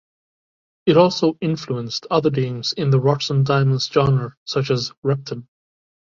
It also influenced other games in the rocks-and-diamonds genre such as Repton.